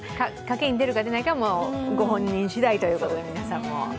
賭けに出るか出ないかは、ご本人しだいということで、皆さんも。